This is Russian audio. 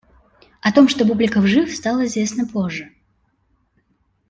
О том, что Бубликов жив, стало известно позже.